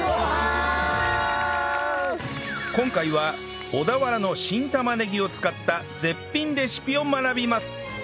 今回は小田原の新玉ねぎを使った絶品レシピを学びます